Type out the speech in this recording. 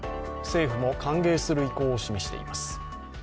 政府も歓迎する意向を示しています。